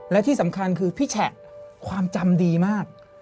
และที่สำคัญคือพี่แฉะความจำดีมาก